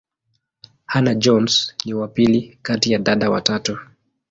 Hannah-Jones ni wa pili kati ya dada watatu.